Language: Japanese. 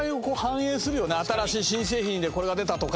新しい新製品でこれが出たとか。